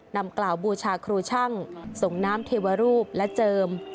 นำกล่าวบูชาครูช่างส่งน้ำเทวรูปและเจิม